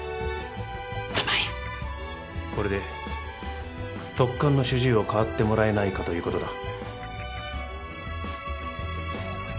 これで特患の主治医を代わってもらえないかという事だ。